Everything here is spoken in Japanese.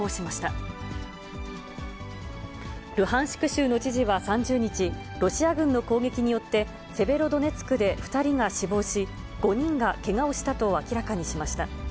州の知事は３０日、ロシア軍の攻撃によって、セベロドネツクで２人が死亡し、５人がけがをしたと明らかにしました。